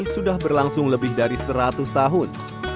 sudah berlangsung lebih dari seratus tahun